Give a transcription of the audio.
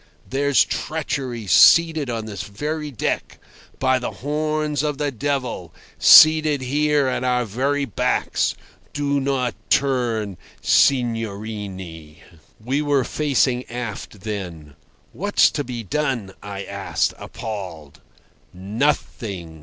there's treachery seated on this very deck. By the horns of the devil! seated here at our very backs. Do not turn, signorine." We were facing aft then. "What's to be done?" I asked, appalled. "Nothing.